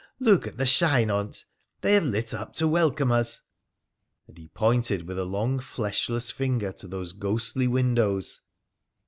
Look at the Bhine on 't. They have lit up to welcome us !' and he pointed with a long fleshless finger to those ghostly windows